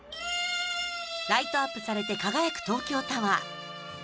ライトアップされて輝く東京タワー。